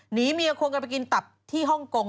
หนีเมียควงกันไปกินตับที่ฮ่องกง